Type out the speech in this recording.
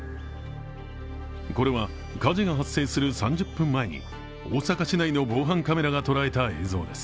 これは火事が発生する３０分前に大阪市内の防犯カメラが捉えた映像です。